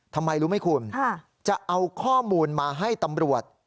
ทำไมรู้ไหมคุณจะเอาข้อมูลมาให้ตำรวจ